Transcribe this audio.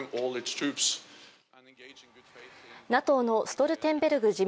ＮＡＴＯのストルテンベルグ